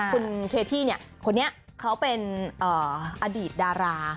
คุณเคที่คนนี้เขาเป็นอดีตดารา